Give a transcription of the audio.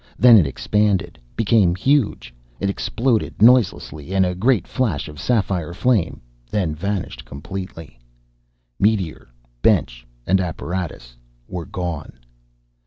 Then it expanded; became huge. It exploded noiselessly, in a great flash of sapphire flame, then vanished completely. Meteor, bench, and apparatus were gone!